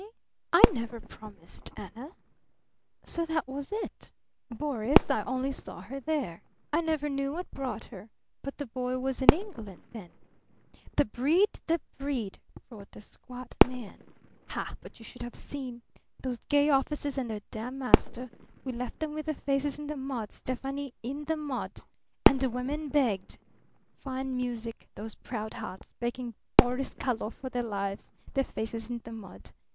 "I? I never promised Anna! ... So that was it? Boris, I only saw her there. I never knew what brought her. But the boy was in England then." "The breed, the breed!" roared the squat man. "Ha, but you should have seen! Those gay officers and their damned master we left them with their faces in the mud, Stefani; in the mud! And the women begged. Fine music! Those proud hearts, begging Boris Karlov for their lives their faces in the mud!